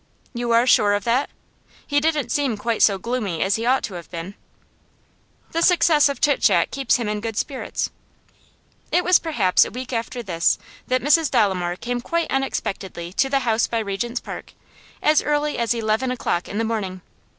'You are sure of that? He didn't seem quite so gloomy as he ought to have been.' 'The success of Chit Chat keeps him in good spirits.' It was perhaps a week after this that Mrs Dolomore came quite unexpectedly to the house by Regent's Park, as early as eleven o'clock in the morning.